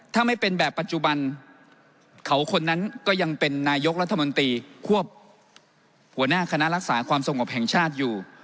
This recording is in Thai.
ถ้าไม่เป็นแบบปัจจุบันเขาคนนั้นก็ยังเป็นนายกรัฐมนตรีควบหัวหน้าคณะรักษาความสงบแห่งชาติอยู่